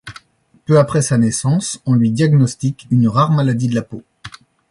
Peu après sa naissance, on lui diagnostique une rare maladie de la peau.